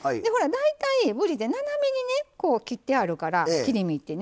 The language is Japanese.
大体ぶりって斜めにねこう切ってあるから切り身ってね。